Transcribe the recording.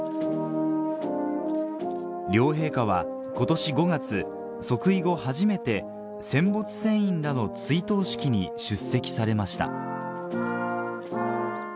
両陛下は今年５月即位後初めて戦没船員らの追悼式に出席されました